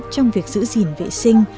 trong việc giữ gìn vệ sinh